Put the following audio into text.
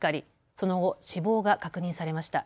その後、死亡が確認されました。